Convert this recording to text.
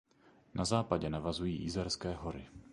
Na západě navazují Jizerské hory.